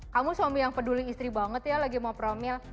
kamu suami yang peduli istri banget ya lagi mau promil